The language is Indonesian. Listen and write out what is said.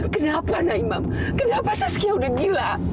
kenapa naimam kenapa saskia udah gila